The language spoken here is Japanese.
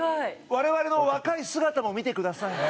我々の若い姿も見てくださいね。